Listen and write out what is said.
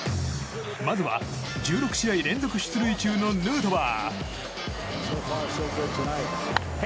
まずは、１６試合連続出塁中のヌートバー。